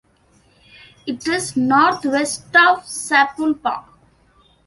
It is northwest of Sapulpa.